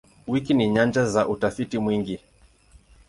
Wiki ni nyanja za utafiti mwingi.